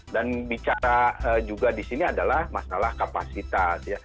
dan bicara juga di sini adalah masalah kapasitas